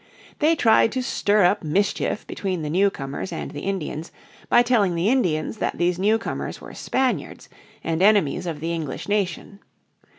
They tried to stir up mischief between the newcomers and the Indians by telling the Indians that these newcomers were Spaniards, and enemies of the English nation.